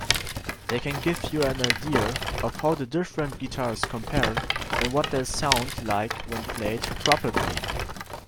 They can give you an idea of how the different guitars compare and what they'll sound like when played properly.